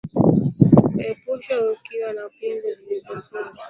Ukauepusha ukiwa, ya pingu zilonifunga